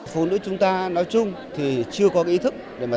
phụ nữ chúng ta nói chung thì chưa có bệnh viện bạch mai tổ chức tại hà nam